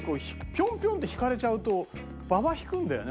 ピョンピョンって引かれちゃうとババ引くんだよね